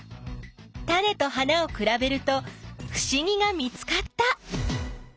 タネと花をくらべるとふしぎが見つかった！